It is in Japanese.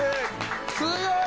強い！